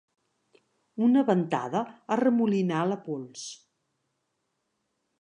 Una ventada arremolinà la pols.